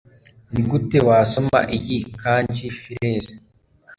Nigute wasoma iyi kanji FiRez